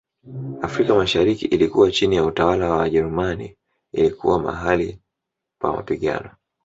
Afrika mashariki ilikuwa chini ya utawala wa Wajerumani ilikuwa mahali pa mapigano